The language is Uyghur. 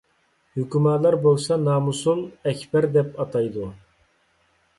ھۆكۈمالار بولسا نامۇسۇل ئەكبەر دەپ ئاتايدۇ.